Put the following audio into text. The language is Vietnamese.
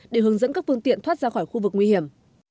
để hướng dẫn các phương tiện thoát ra khỏi khu vực nguy hiểm